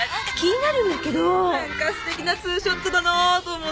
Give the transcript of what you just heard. なんか素敵なツーショットだなと思って。